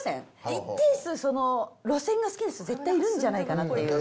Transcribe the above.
一定数、その路線が好きな人絶対いるんじゃないかなっていう。